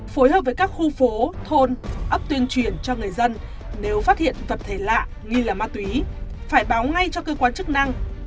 phối hợp với các khu phố thôn ấp tuyên truyền cho người dân nếu phát hiện vật thể lạ nghi là ma túy phải báo ngay cho cơ quan chức năng